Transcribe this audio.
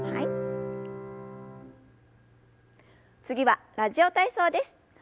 次は「ラジオ体操」です。